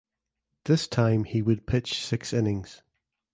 This time he would pitch six innings.